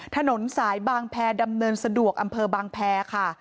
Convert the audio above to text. ถนนสายบางแพรดำเนินสะดวกอำเภอบางแพรค่ะ